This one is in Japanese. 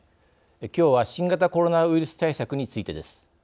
きょうは新型コロナウイルス対策についてです。